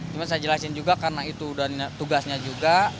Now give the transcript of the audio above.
cuma saya jelasin juga karena itu dan tugasnya juga